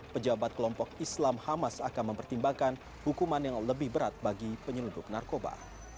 pejabat kelompok islam hamas akan mempertimbangkan hukuman yang lebih berat bagi penyelundup narkoba